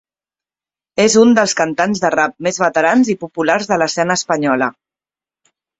És un dels cantants de rap més veterans i populars de l'escena espanyola.